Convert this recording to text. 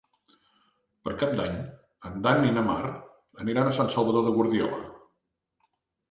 Per Cap d'Any en Dan i na Mar aniran a Sant Salvador de Guardiola.